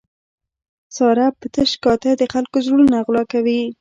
ساره په تش کاته د خلکو زړونه غلا کوي.